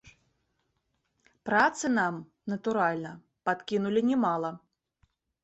Працы нам, натуральна, падкінулі не мала.